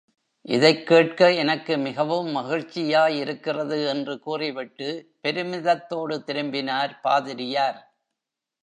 இதைக் கேட்க எனக்கு மிகவும் மகிழ்ச்சியாயிருக்கிறது என்று கூறிவிட்டு பெருமிதத்தோடு திரும்பினார் பாதிரியார்.